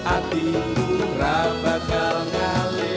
atiku rapatkan kali